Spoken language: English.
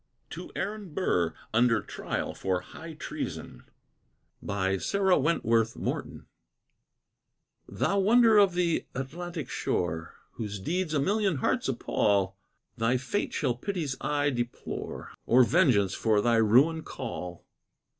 TO AARON BURR, UNDER TRIAL FOR HIGH TREASON Thou wonder of the Atlantic shore, Whose deeds a million hearts appall; Thy fate shall pity's eye deplore, Or vengeance for thy ruin call.